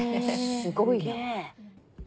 すごいな。